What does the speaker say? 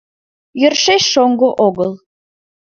— Йӧршеш шоҥго огыл.